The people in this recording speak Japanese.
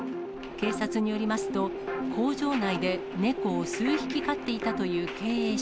警察によりますと、工場内で猫を数匹飼っていたという経営者。